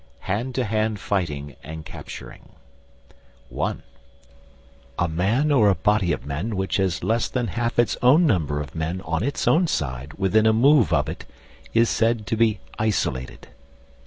HAND TO HAND FIGHTING AND CAPTURING (1) A man or a body of men which has less than half its own number of men on its own side within a move of it, is said to be isolated.